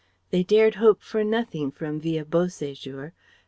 They dared hope for nothing from Villa Beau séjour.